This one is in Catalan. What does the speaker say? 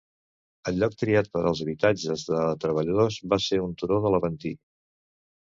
El lloc triat per als habitatges de treballadors va ser el turó de l'Aventí.